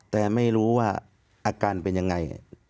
แต่ไม่รู้ว่าอาการเป็นยังไง